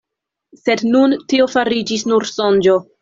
Sed nun tio fariĝis nur sonĝo.